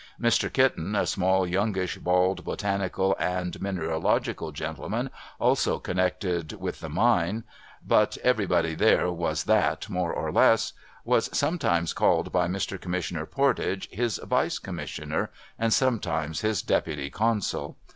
Mr. Kitten, a small, youngish, bald, botanical and mineralogical gentleman, also connected with the mine — but everybody there was that, more or less — was some times called by Mr. Commissioner Pordage, his Vice commissioner, and sometimes his Deputy consul.